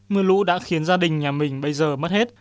mưa lũ đã khiến gia đình nhà mình bây giờ mất hết